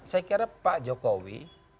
saya kira pak jokowi